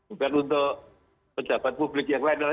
bukan untuk pejabat publik yang lain